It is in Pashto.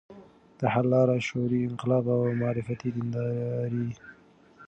د حل لار: شعوري انقلاب او معرفتي دینداري